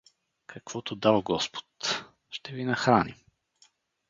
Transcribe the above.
— Каквото дал господ… ще ви нахраним.